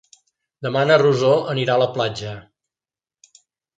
Demà na Rosó anirà a la platja.